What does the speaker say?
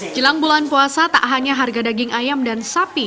jelang bulan puasa tak hanya harga daging ayam dan sapi